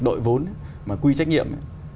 đội vốn mà quy trách nhiệm